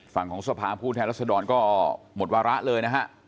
ฝั่งของสภาผู้แทนรัศดรก็หมดวาระเลยนะฮะ